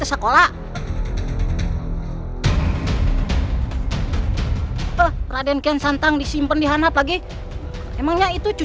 aku tidak akan membiarkanmu